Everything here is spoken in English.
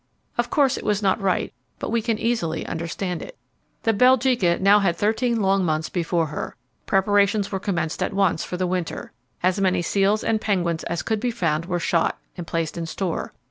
Of course, it was not right, but we can easily understand it. The Belgica now had thirteen long months before her. Preparations were commenced at once for the winter. As many seals and penguins as could be found were shot, and placed in store.